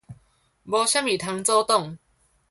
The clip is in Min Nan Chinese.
無甚物通阻擋